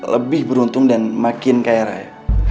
lebih beruntung dan makin kaya raya